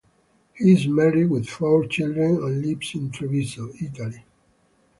He is married with four children and lives in Treviso, Italy.